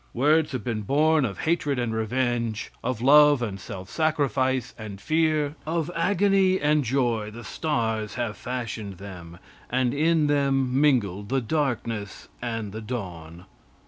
Words have been born of hatred and revenge, of love and self sacrifice and fear, of agony and joy the stars have fashioned them, and in them mingled the darkness and the dawn.